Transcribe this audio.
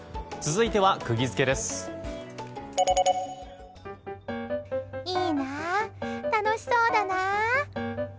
いいな、楽しそうだな。